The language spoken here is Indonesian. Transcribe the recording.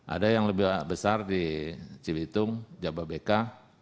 ada yang lebih besar di cilitung jababeka